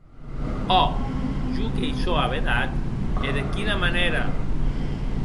Ò, jo que i sò avedat, e de quina manera!